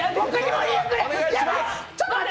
ちょっと待って！